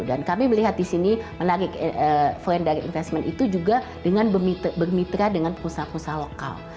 dan kami melihat disini foreign direct investment itu juga dengan bermitra dengan pengusaha pengusaha lokal